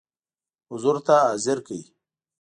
حضور ته حاضر کړ.